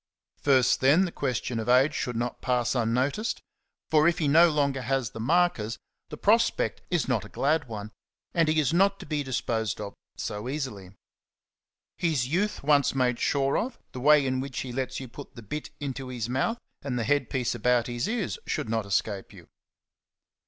First, then, the question of age should not pass unnoticed; for if he no longer has the markers, '^ the prospect is not a glad one, and he is not to be disposed of so easily. His youth once made sure of, the way in which he lets you put the bit into his mouth, and the head piece about his ears, should not escape you.